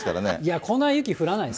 こんな雪降らないです。